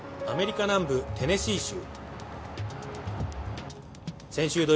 アメリカ南部テネシー州。